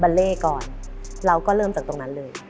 เล่ก่อนเราก็เริ่มจากตรงนั้นเลย